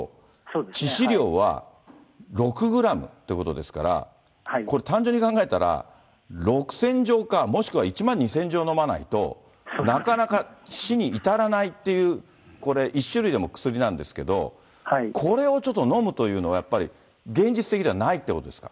致死量は６グラムっていうことですから、これ、単純に考えたら６０００錠か、もしくは１万２０００錠飲まないと、なかなか死に至らないっていう、これ、１種類でも薬なんですけれども、これをちょっと飲むというのは、やっぱり現実的ではないということですか。